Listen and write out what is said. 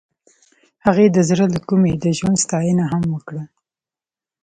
هغې د زړه له کومې د ژوند ستاینه هم وکړه.